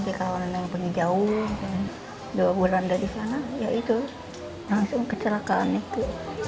ya itu langsung kecelakaan itu